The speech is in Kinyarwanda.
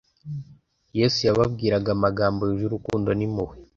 Yesu yababwiraga amagambo yuje urukundo n'impuhwe,